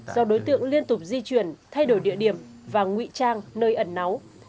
do đối tượng liên tục di chuyển thay đổi địa điểm và ngụy trang nơi ẩn náu